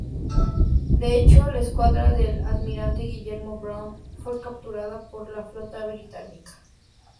De hecho, la escuadra del almirante Guillermo Brown fue capturada por la flota británica.